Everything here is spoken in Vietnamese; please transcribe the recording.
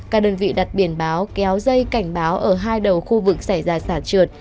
các đơn vị đặt biển báo kéo dây cảnh báo ở hai đầu khu vực xảy ra sạt trượt